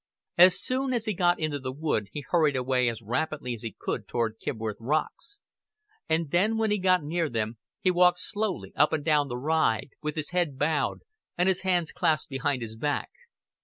As soon as he got into the wood he hurried as rapidly as he could toward Kibworth Rocks; and then when he got near them he walked slowly up and down the ride, with his head bowed and his hands clasped behind his back.